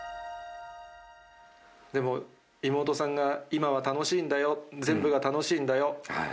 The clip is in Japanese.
でも妹さんが、今は楽しいんだよ、全部が楽しいんだよ！